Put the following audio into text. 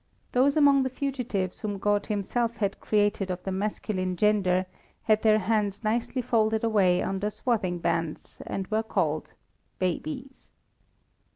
Those among the fugitives whom God Himself had created of the masculine gender had their hands nicely folded away under swathing bands, and were called babies.